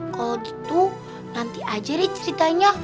kalau gitu nanti aja deh ceritanya